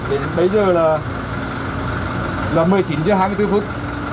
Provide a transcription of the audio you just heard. đến bây giờ là một mươi chín h hai mươi bốn phút